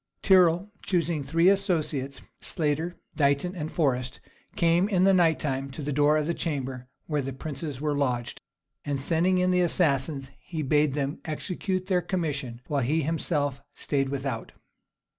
Tyrre, choosing three associates, Slater, Dighton, and Forest, came in the night time to the door of the chamber where the princes were lodged; and sending in the assassins he bade them execute their commission, while he himself staid without.